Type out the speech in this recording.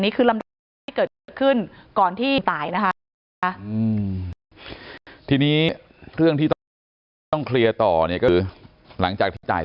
นี้เครื่องไม่เกิดขึ้นก่อนที่สายนะคะที่บีเท่านี้ต้องเคลียร์ตอนอย่างอื่นหลังจากที่การ